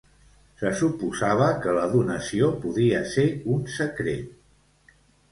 Se suposava que la donació podia ser un secret.